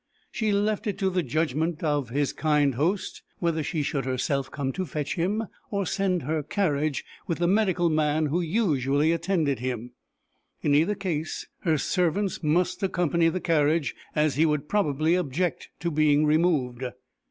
She left it to the judgment of his kind host whether she should herself come to fetch him, or send her carriage with the medical man who usually attended him. In either case her servants must accompany the carriage, as he would probably object to being removed.